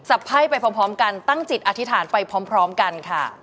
ไพ่ไปพร้อมกันตั้งจิตอธิษฐานไปพร้อมกันค่ะ